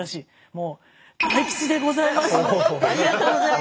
もう大吉でございます。